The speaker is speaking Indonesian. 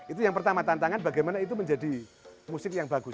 itu yang pertama tantangan bagaimana itu menjadi musik yang bagus